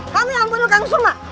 kamu yang sudah membunuh kang kusma